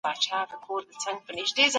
که پانګونه وسي ریښتینی عاید به زیات سي.